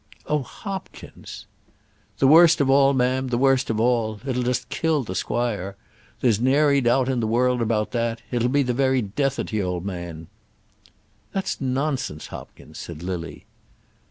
"Oh, Hopkins!" "The worst of all, ma'am; the worst of all! It'll just kill t' squire! There's ne'ery doubt in the world about that. It'll be the very death of t' old man." "That's nonsense, Hopkins," said Lily.